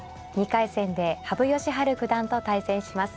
２回戦で羽生善治九段と対戦します。